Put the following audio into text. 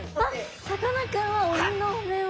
さかなクンは鬼のお面を。